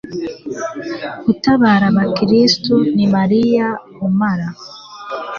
utabara abakristu ni mariya, umara